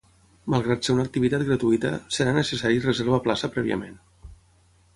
Malgrat ser una activitat gratuïta, serà necessari reserva plaça prèviament.